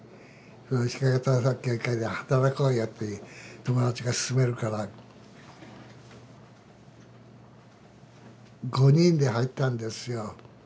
引揚対策協議会で働こうよって友達がすすめるから５人で入ったんですよ。